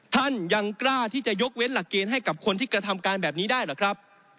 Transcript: ท่านยังกล้าที่จะยกเว้นหลักเกณฑ์ให้กับคนที่กระทำการแบบนี้ได้หรือครับ